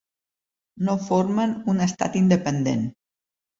No formen un estat independent.